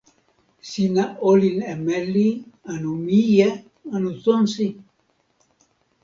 sina olin e meli anu mije anu tonsi?